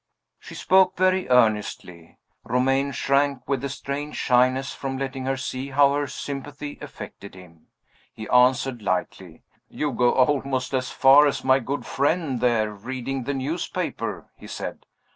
She spoke very earnestly. Romayne shrank, with a strange shyness, from letting her see how her sympathy affected him. He answered lightly. "You go almost as far as my good friend there reading the newspaper," he said.